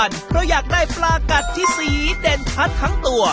เพราะอยากได้ปลากัดที่สีเด่นชัดทั้งตัว